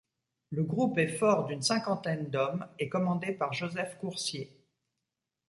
Le groupe est fort d'une cinquantaine d'hommes et commandé par Joseph Courcier.